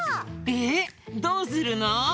えっどうするの？